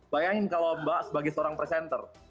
bayangin kalau mbak sebagai seorang presenter